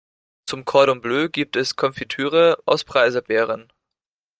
Zum Cordon Bleu gibt es Konfitüre aus Preiselbeeren.